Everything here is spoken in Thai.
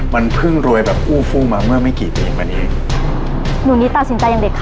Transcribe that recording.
ถ้าคนเขาจะรักเขาก็รักค่ะไม่จำเป็นต้องใช้ยาเสน่ห์